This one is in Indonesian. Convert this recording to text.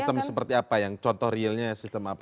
sistem seperti apa yang contoh realnya sistem apa